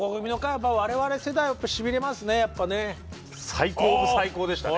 最高の最高でしたね。